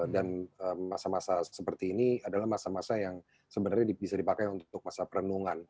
masa masa seperti ini adalah masa masa yang sebenarnya bisa dipakai untuk masa perenungan